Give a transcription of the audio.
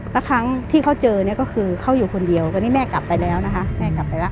แล้วครั้งที่เขาเจอเนี่ยก็คือเขาอยู่คนเดียวก็นี่แม่กลับไปแล้วนะคะ